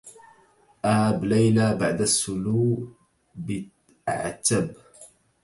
آب ليلي بعد السلو بعتب